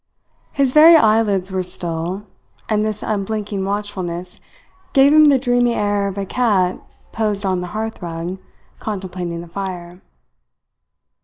His very eyelids were still, and this unblinking watchfulness gave him the dreamy air of a cat posed on a hearth rug contemplating the fire.